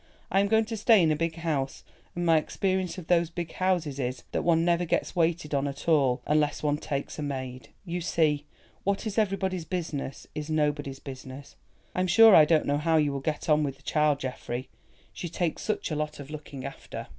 I am going to stay in a big house, and my experience of those big houses is, that one never gets waited on at all unless one takes a maid. You see, what is everybody's business is nobody's business. I'm sure I don't know how you will get on with the child, Geoffrey; she takes such a lot of looking after."